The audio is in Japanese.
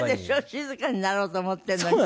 静かになろうと思ってるのに。